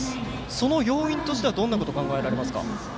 その要因としてはどんなことが考えられますか？